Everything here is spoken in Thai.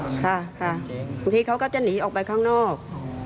ค่ะค่ะบางทีเขาก็จะหนีออกไปข้างนอก